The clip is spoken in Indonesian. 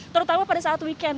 terutama pada saat weekend